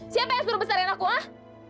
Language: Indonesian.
siapa yang suruh besarkan aku ah